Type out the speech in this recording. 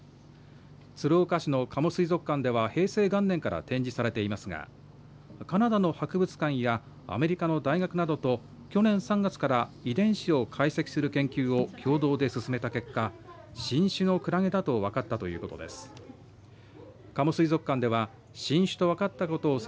鶴岡市の加茂水族館では平成元年から展示されていますがカナダの博物館やアメリカの大学などと去年３月から遺伝子を解析する研究を共同で進めた結果新種のクラゲだと分かったということです。